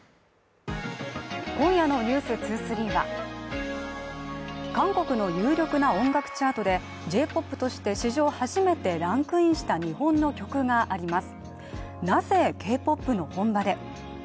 今夜の「ｎｅｗｓ２３」は韓国の有力な音楽チャートでＪ−ＰＯＰとして史上初めてランクインした日本の曲があります。